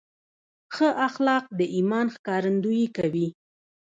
ښه اخلاق د ایمان ښکارندویي کوي.